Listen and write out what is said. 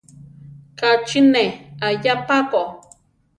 Ka chi ne aʼyá pa ko.